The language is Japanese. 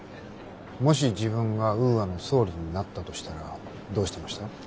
もし自分がウーアの総理になったとしたらどうしてました？